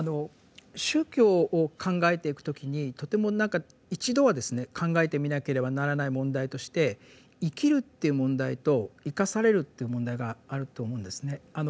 宗教を考えていく時にとても何か一度は考えてみなければならない問題として「生きる」という問題と「生かされる」という問題があると思うんですね。